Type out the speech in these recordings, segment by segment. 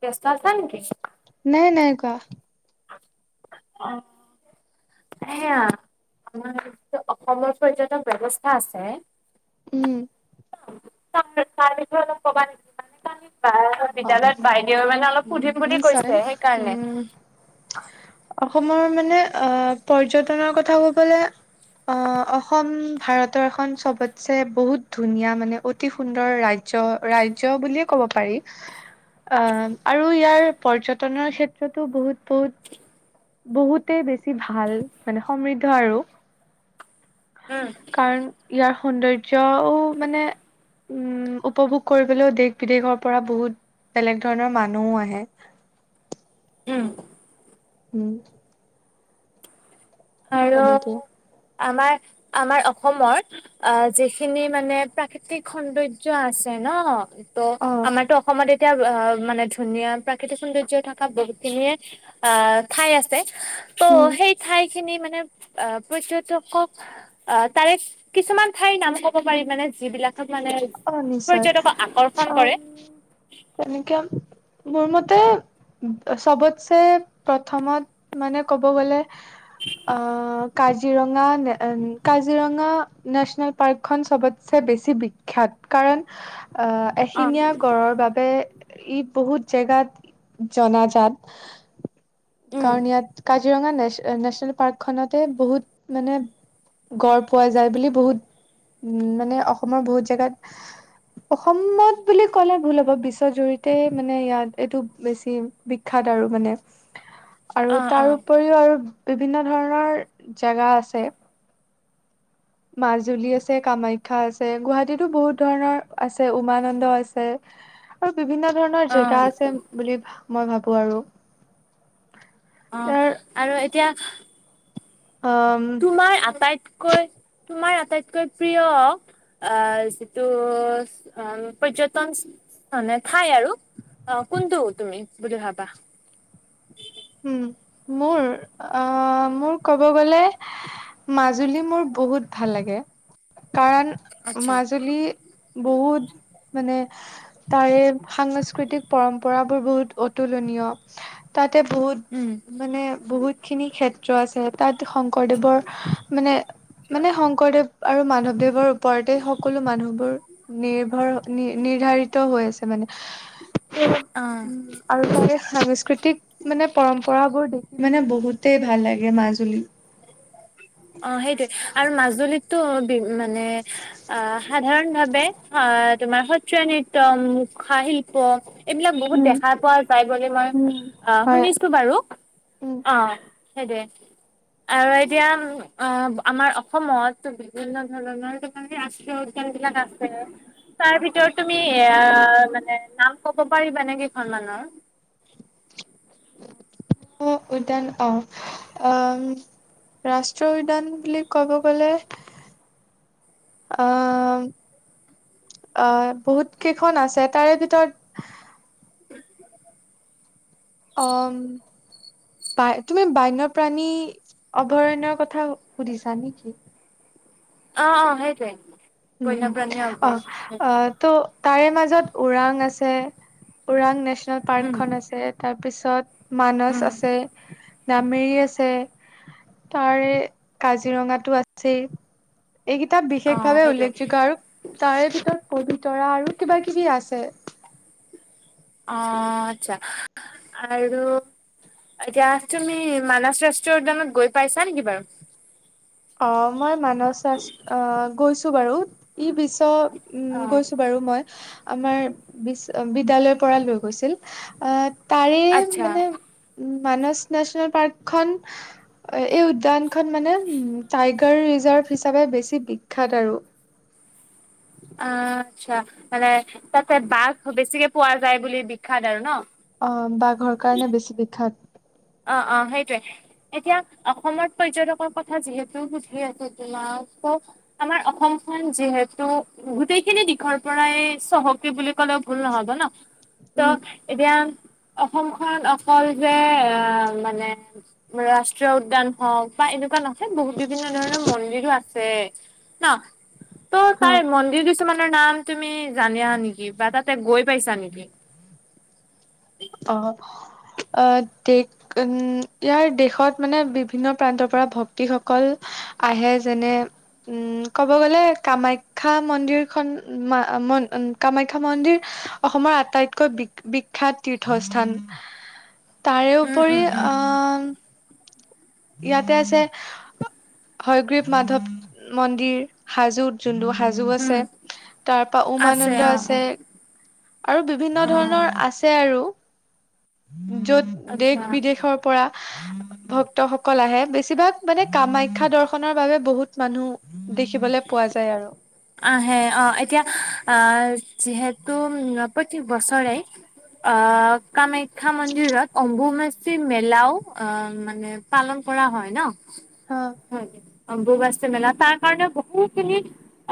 ব্যস্ত আছা নেকি? নাই নাই কোৱা অ এয়া আমাৰটো অসমত পৰ্যটক ব্যৱস্থা আছে? উম ত-তাৰ বিষয়ে অলপ ক'বা নেকি [unintelligible] অ বিদ্যালয়ত বাইদেউয়ে মানে অলপ সুধিম বুলি নিশ্চয় কৈছে, সেইকাৰণে। উম। অসমৰ মানে আ' পৰ্যটনৰ কথা ক'বলে অ-অসম ভাৰতৰ এখন চবতছে বহুত ধুনীয়া মানে, অতি অতি সুন্দৰ ৰাজ্য, ৰাজ্য বুলিয়ে ক'ব পাৰি। অ' আৰু ইয়াৰ পৰ্যটনৰ ক্ষেত্ৰতো বহুত, বহুত বহুতেই বেছি ভাল, মানে সমৃদ্ধ আৰু। উ'ম কাৰণ ইয়াৰ সৌন্দৰ্য্যও মানে উ'ম উপভোগ কৰিবলৈও দেশ বিদেশৰ পৰা বহুত বেলেগ ধৰণৰ মানুহও আহে। উ'ম। উ'ম। আৰু তেনেকে আমাৰ, আমাৰ অসমৰ অ' যিখিনি মানে প্ৰাকৃতিক সৌন্দৰ্য্য আছে ন' ত' অ আমাৰতো অসমত এতিয়া আ' মানে ধুনীয়া প্ৰাকৃতিক সৌন্দৰ্য থকা বহুত খিনিয়ে আ' ঠাই আছে। ত' উম সেই ঠাইখিনি মানে আ' পৰ্যটকক অ' তাৰে কিছুমান ঠাইৰ ক'ব পাৰি মানে, যিবিলাকক মানে অ' নিশ্চয়, পৰ্যটকক আকৰ্ষণ কৰে অ' তেনেকে মোৰ মতে উ'ম, চবতছে প্ৰথমত মানে ক'ব গ'লে অ' কাজিৰঙা, নে কাজিৰঙা নেচনেল পাৰ্কখন চবতছে বেছি বি খ্যাত, কাৰণ আ' অ এশিঙীয়া গড়ৰ বাবে ই' বহুত জেগাত জনাজাত, উম কাৰণ ইয়াত কা কাজিৰঙা নেচ-নেচনেল পাৰ্কখনতে বহুত মানে গড় পোৱা যায় বুলি বহুত উ'ম মানে অসমৰ বহুত জেগাত অসমত বুলি ক'লে ভুল হ'ব, বিশ্বৰ জৰিতে মানে ইয়াত এইটো বেছি বিখ্যাত আৰু মানে। অ আৰু অ তাৰ উপৰিও আৰু বিভিন্ন ধৰণৰ জেগা আছে মাজুলী আছে, কামাখ্যা আছে গুৱাহাটীতো বহুত ধৰণৰ আছে উমানন্দ আছে। আৰু বিভিন্ন ধৰণৰ অ জেগা আছে বুলি ভা মই ভাবো আৰু। ইয়াৰ অ' আৰু এতিয়া অ' তোমাৰ আটাইতকৈ, তোমাৰ আটাইতকৈ প্ৰিয় অ' যিটো অ', পৰ্যটন মানে ঠাই আৰু। অ' কোনটো তুমি বুলি ভাবা? উ'ম মোৰ, অ' মোৰ ক'ব গলে মাজুলী মোৰ বহুত ভাল লাগে, কাৰণ আচ্ছা। মাজুলী বহুত মানে তাৰে সাংস্কৃতিক পৰম্পৰাবোৰ বহুত অতুলনীয়। তে বহুত উ'ম। মানে বহুতখিনি ক্ষেত্ৰ আছে, তাত শংকৰদেৱৰ মানে মানে শংকৰদেৱ আৰু মাধৱদেৱৰ ওপৰতে সকলো মানুহবোৰ নিৰ্ভৰ নি-নিৰ্ধাৰিত হৈ আছে মানে। অ উম, আৰু তাকে সাংস্কৃতিক- মানে পৰম্পৰাবোৰ দেখি মানে বহুতেই ভাল লাগে মাজুলী। অঁ, সেইটোৱেই আৰু মাজুলীতো বি মানে- আহ সাধাৰণ ভাৱে আহ তোমাৰ সত্ৰীয়া নৃত্য, মুখা শিল্প- এইবিলাক বহুত উম দেখা পোৱা যায় বুলি মই উম অঁ' হয় শুনিছ- ছো বাৰু। উম অঁ' সেইটোৱে। আৰু এতিয়া- অঁ' আমাৰ অসমত বিভিন্ন ধৰণৰ ৰাষ্ট্ৰীয় উদ্যানবিলাক আছে। তাৰ ভিতৰত তুমি এ মানে নাম ক'ব পাৰিবানে কেইখনমানৰ? অ উদ্যান অঁ' আম- ৰাষ্ট্ৰীয় উদ্যান বুলি ক'ব গ'লে- অঁ' অঁ, বহুত কেইখন আছে তাৰ ভিতৰত- অঁম। পায়, তুমি বান্যপ্ৰাণী অভয়াৰণ্যৰ কথা সুধিছা নেকি? অঁ অঁ সেইটোৱে। উম' উম' বন্যপ্ৰাণী অ' অভয়াৰণ্য অ'। ত' তাৰে মাজত ওৰাং আছে ওৰাং নেশচনেল উম পাৰ্কখন আছে। তাৰপিছত মানস উম আছে। নামেৰি আছে তাৰে কাজিৰঙা টো আছেই। এই গেইতাত বিশেষ অ' ভাৱে সেইটোৱে উল্লেখযোগ্য আৰু তাৰে ভিতৰত পবিতৰা আৰু কিবা কিবি আছে। অঁ আৎচ্ছা আৰু- এতিয়া তুমি মানছ ৰাষ্ট্ৰী উদ্যানত গৈ পাইছা নেকি বাৰু? অঁ মই মানস ৰাচ অঁ গৈছো বাৰু, ই বিশ্ব- উম' অ' গৈছো বাৰু মই। আমাৰ- বিশ্ব বিদ্যালয়ৰ পৰা লৈ গৈছিল আঁ তাৰে আচ্ছা মানে- উম মানচ নেচনেল পাৰ্ক খন এই উদ্যান খন মানে উম- টাইগাৰ ৰিজাৰ্ভ হিচাপে বেছি বিখ্যাত আৰু। অঁ আৎচ্ছা, মানে তাতে বাঘ বেছিকে পোৱা যায় বুলি বিখ্যাত আৰু ন? অঁ বাঘৰ কাৰণে বেছি বিখ্যাত। অঁ অঁ সেইটোৱে। এতিয়া অসমত পৰ্যটকৰ কথা যিহেতু বো ধেই আছে তোমাক কওঁ, - আমাৰ অসমখন যিহেতু গোটেই খিনি দিশৰ পৰাই চহকী বুলি কলেও ভুল নহব ন। [inaudible] ত' এতিয়া অসমখন অকল যে আঁহ মানে- ৰাষ্ট্ৰীয় উদ্যান হওক বা এনেকুৱা নহয় যে বহুত বিভিন্ন ধৰণৰ মন্দিৰো আছে। ন? ত' তাৰ হয়। মন্দিৰ কিছুমানৰ নাম তুমি জানা নেকি বা তাতে গৈ পাইছা নেকি? অ' অ ঠিক- উম' ইয়াৰ দেশত মানে বিভিন্ন প্ৰান্তৰ পৰা ভক্তিসকল- আহে, যেনে- উম' ক'ব গ'লে কামাখ্যা মন্দিৰখন উম মন কামাখ্যা মন্দিৰ- অসমৰ আটাইতকৈ বিক বিখ্যাত- তীৰ্থস্থান। তাৰে উম উপৰি উম উম অঁ- ইয়াতে আছে- হয়গ্ৰীব মাধৱ মন্দিৰ হাজোত যোনটো হাজো জো উম আছে তাৰপৰা ওমানন্দ আছে আৰু বিভিন্ন অ অ ধৰণৰ আছে আৰু য'ত আচ্ছা দেশ-বিদেশৰ পৰা ভক্তসকল আহে বেছিভাগ মানে কামাখ্যা দৰ্শনৰ বাবে বহুত মানুহ দেখিবলৈ পোৱা যায় আৰু। আহ অ এতিয়া আ যিহেতু প্ৰত্যেক বছৰে অ কামাখ্যা মন্দিৰত অম্বুমাচি মেলাও অ মানে পালন কৰা হয় ন। অ। হয় অম্বুবাচী মেলা তাৰ কাৰণেও বহুতখিনি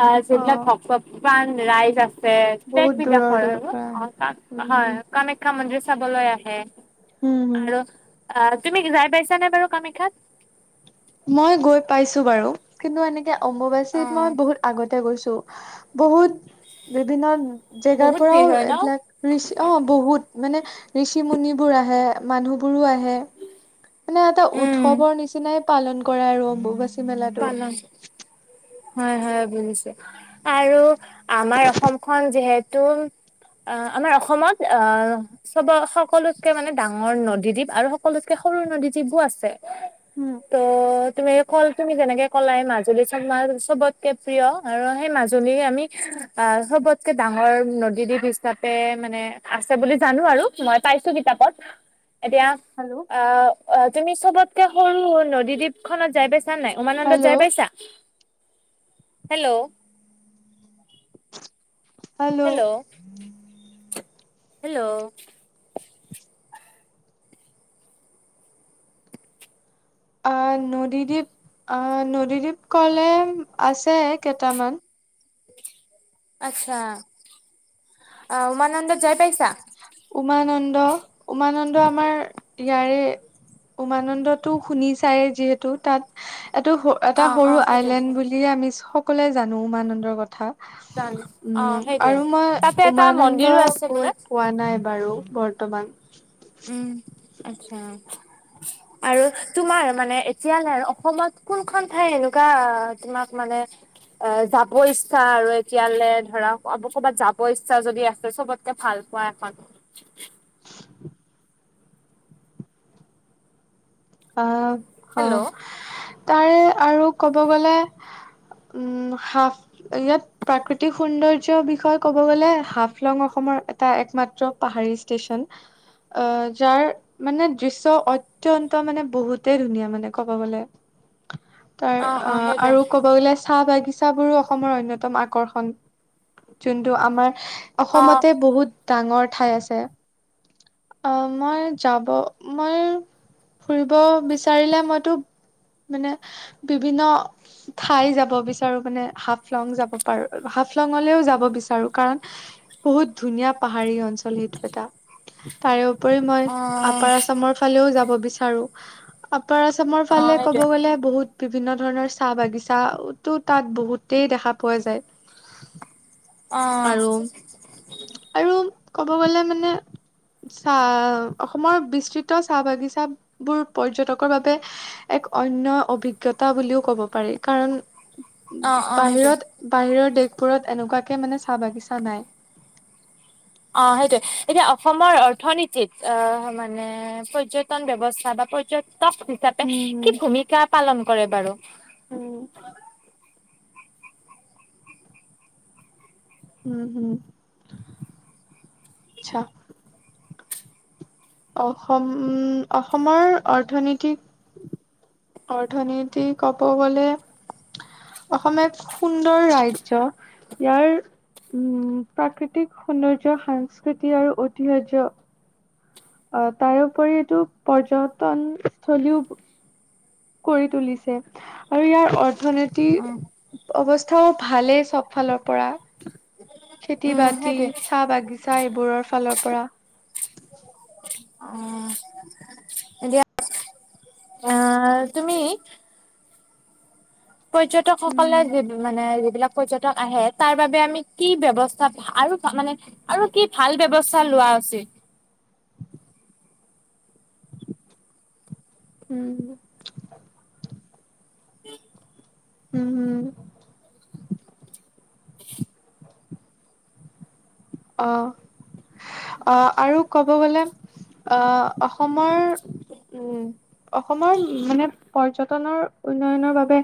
অ যবিলাক ভক্ত কিমান ৰাইজ আছে বহুত দূৰৰ দেশ-বিদেশৰ দূৰৰ আৰু পৰা হয় আহে। উম কামাখ্যা কামাখ্যা মন্দিৰ চাবলৈ আহে। উম হম আৰু আ তুমি যাই পাইছা নে বাৰু কামাখ্যাত? মই গৈ পাইছো বাৰু কিন্তু এনেকে অ অম্বুবাচীত মই বহুত আগতে গৈছো। বহুত বিভিন্ন জেগাৰ বহুত ভিৰ পৰাও হয় ন এইবিলাক ঋষি অ বহুত মানে ঋষি-মুনিবোৰ আহে, মানুহবোৰো আহে। মানে এটা উম উৎসৱৰ নিচিনাই পালন কৰে আৰু অম্বুবাচী। মেলাটো। পালন হয় হয় বুজিছো। আৰু আমাৰ অসমখন যিহেতু আ আমাৰ অসমত আ সব সকলোতকে মানে ডাঙৰ নদীদ্বীপ আৰু সকলোতকে সৰু নদীদ্বীপো আছে। উম। ত তুমি এ কল তুমি যেনেকে ক'লাই মাজুলী চ ম চবতকে প্ৰিয় আৰু সেই মাজুলীৰ আমি আ চবতকে ডাঙৰ নদীদ্বীপ হিচাপে মানে আছে বুলি জানো আৰু মই পাইছো কিতাপত। [inaudible] এতিয়া হেল্ল' অ তুমি চবতকে সৰু নদীদ্বীপ খনত যাই পাইছ ছা নাই উমানন্দত জায় হেল্ল' পাইছা? হেল্ল। Hello hello. আ নদীদ্বীপ আ নদীদ্বীপ ক'লে আছে কেইটামান। আচ্ছা, উমানন্দত যাই পাইছা? উমানন্দ উমানন্দ আমাৰ ইয়াৰে উমানন্দটো শুনিছাই যিহেতু তাত এটো এটা অ অ সৰু আইলেণ্ড সেইটোৱে বুলিয়ে আমি সকলোৱে জানো উমানন্দৰ কথা। জানো অ উম সেইটোৱে আৰু মই তাতে এটা উমানন্দ মন্দিৰো আছে গৈ বোলে পোৱা নাই বাৰু বৰ্তমান। উম আচ্ছা। [inaudible] আৰু তোমাৰ মানে এতিয়ালে আৰু অসমত কোনখন ঠাই এনেকুৱা তোমাক মানে আ যাব ইচ্ছা আৰু এতিয়ালে ধৰা ক'বাত যাব ইচ্ছা যদি আছে চবত কে ভাল পোৱা এখন [inaudible] আহ অ হেল্ল' তাৰে আৰু ক'ব গলে উম হাফ ইয়াত প্ৰাকৃতিক সৌন্দৰ্যৰ বিষয়ে ক'ব গ'লে হাফলং অসমৰ এটা একমাত্ৰ পাহাৰী ষ্টেচন। আহ যাৰ মানে দৃশ্য অত্যন্ত ত' মানে বহুতেই ধুনীয়া মানে ক'ব গ'লে। তাৰ অ', আৰু ক'ব গ'লে চাহ বাগিচা বোৰো অসমৰ অন্যতম আকৰ্ষণ, যোনটো আমাৰ অ অসমতে বহুত ডাঙৰ ঠাই আছে, মই যাব মই ফুৰিব বিচাৰিলে মইতো মানে বিভিন্ন ঠাই যাব বিচাৰো মানে হাফলং যাব পাৰো, হাফলঙলৈও যাব বিচাৰো কাৰণ বহুত ধুনীয়া পাহাৰী অঞ্চল সেইটো এটা। তাৰেওপৰি মই অ আপাৰ আছামৰ ফালেও যাব বিচাৰো। আপাৰ আচামৰ অ ফালে ক'ব সেইটোৱে গ'লে বহুত বিভিন্ন ধৰণৰ চাহ বাগিচাওটো তাত বহুতেই দেখা পোৱা যায়। অ'। আৰু আৰু ক'ব গ'লে মানে চাহ অসমৰ বিস্তৃত চাহ বাগিচা বোৰ পৰ্যটকৰ বাবে এক অন্য অভিজ্ঞতা বুলিও ক'ব পাৰি, কাৰণ অ অ সেইটোৱে বাহিৰত বাহিৰৰ দেশবোৰত এনেকুৱাকে মানে চাহ বাগিচা নাই। অ', সেইটোৱে এতিয়া অসমৰ অৰ্থনীতিত অ', মানে পৰ্যটন ব্যৱস্থা বা পৰ্যটক হিচাপে উম কি ভূমিকা পালন কৰে বাৰু? উম। উম, হম, আচ্ছা। অসম অসমৰ অৰ্থনীতিক অৰ্থনীতি ক'ব গ'লে অসম এক সুন্দৰ ৰাজ্য, ইয়াৰ উম, প্ৰাকৃতিক সৌন্দৰ্য সাংস্কৃতি আৰু ঐতিহায্য অ', তাৰোওপৰি এইটো পৰ্যটনস্থথলীও কৰি তুলিছে আৰু ইয়াৰ অৰ্থনীতি অ অৱস্থাও ভালেই চব ফালৰ পৰা, উম খেতি-বাতি, সেইটোৱে চাহ-বাগিচা এইবোৰৰ ফালৰ পৰা। অ অ', তুমি পৰ্যটকসকলে উম যি মানে যিবিলাক পৰ্যটক আহে, তাৰ বাবে আমি কি ব্যৱস্থা আৰু মানে আৰু কি ভাল ব্যৱস্থা লোৱা উচিত? উম। [inaudible] উম, উম। অ'। আহ, আৰু ক'ব গ'লে আহ, অসমৰ উম, অসমৰ মানে পৰ্যটনৰ উন্নয়নৰ বাবে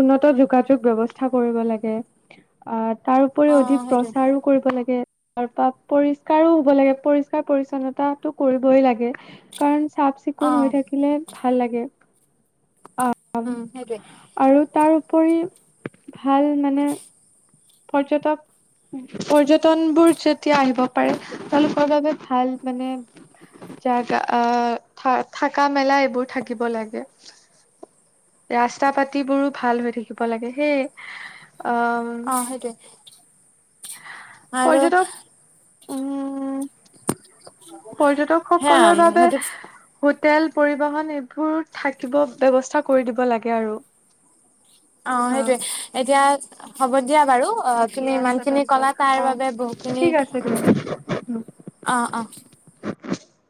উন্নত যোগাযোগ ব্যৱস্থা কৰিব লাগে। অ', তাৰ অ উপৰিও অধিক সেইটোৱে প্ৰচাৰো কৰিব লাগে। তাৰ পা পৰিষ্কাৰো হব লাগে, পৰিষ্কাৰ পৰিছন্নতাটো কৰিবই লাগে। কাৰণ অ চাফ-চিকুণ হৈ থাকিলে ভাল লাগে আহ। উম, সেইটোৱে। আৰু তাৰ উপৰি ভাল মানে পৰ্যটক, পৰ্যটন বোৰ যে তিয়া আহিব পাৰে, তেওঁলোকৰ বাবে ভাল মানে জাগা আহ থা-থকা মেলা এইবোৰ থাকিব লাগে। ৰাস্তা পাতিবোৰো ভাল হৈ থাকিব লাগে সেই অ অ', সেইটোৱে আৰু পৰ্যটক পৰ্যটক সকলৰ বাবে সেয়া হোটেল পৰিবহন এইবোৰ থাকিব ব্যৱস্থা কৰি দিব লাগে আৰু অ', হা সেইটয়ে এতিয়া হ'ব দিয়া বাৰু অ', তুমি ইমানখিনি কলা, তাৰ বাবে অ বহুখিনি ঠিক আছে দিয়া অ', অ'।